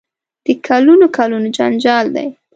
د کلونو کلونو جنجال دی.